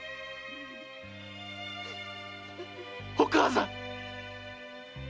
お母さん！